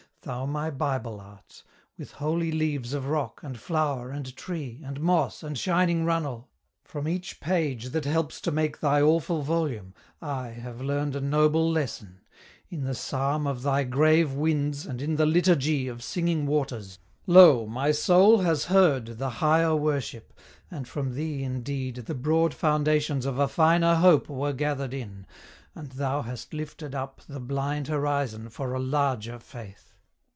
Thou my Bible art, With holy leaves of rock, and flower, and tree, And moss, and shining runnel. From each page That helps to make thy awful volume, I Have learned a noble lesson. In the psalm Of thy grave winds, and in the liturgy Of singing waters, lo! my soul has heard The higher worship; and from thee, indeed, The broad foundations of a finer hope Were gathered in; and thou hast lifted up The blind horizon for a larger faith!